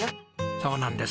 そうなんです。